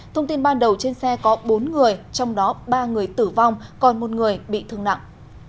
thông tin ban đầu trên xe có bốn người trong đó ba người tử vong còn một người bị thương nặng